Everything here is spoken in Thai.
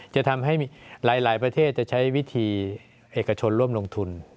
จะทำให้หลายประเทศจะใช้วิธีเอกชนร่วมลงทุน